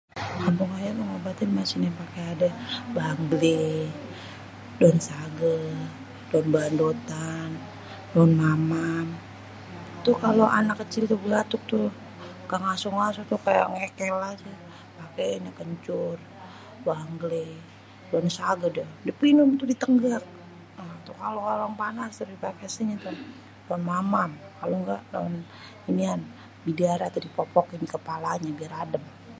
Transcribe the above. Di kampung ayé meh ngobatin masi neh pake ade banglé, daon sage, daon bandotan, daon mamam, tuh kalo anak kecil tuh batuk tuh ga ngasoh-ngasoh tuh kaya ngekél aje, pakéin neh kencur, banglé, daon sage deh dipinum tuh di tenggak. Tuh kalo orang panas dipakesin tuh daon mamam kalo engga daon inian, bidara toh dipopokin dikepalanye biar adem.